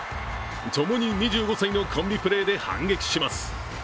ともに２５歳のコンビプレーで反撃します。